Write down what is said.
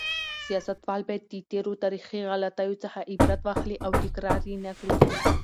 سیاستوال باید د تېرو تاریخي غلطیو څخه عبرت واخلي او تکرار یې نکړي.